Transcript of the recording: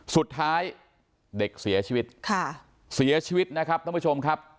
สุดท้ายเด็กเสียชีวิตค่ะเสียชีวิตนะครับน้องผู้ชมครับ